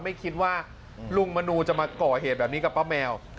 ไม่คิดว่าลุงมนูจะมาก่อเหตุแบบนี้กับป้าแมว